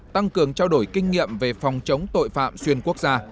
tăng cường trao đổi kinh nghiệm về phòng chống tội phạm xuyên quốc gia